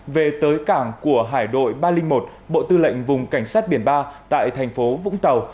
về tới cảng của hải đội ba trăm linh một bộ tư lệnh vùng cảnh sát biển ba tại thành phố vũng tàu